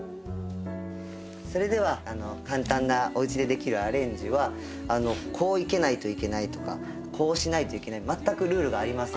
それでは簡単なおうちでできるアレンジはこう生けないといけないとかこうしないといけない全くルールがありません。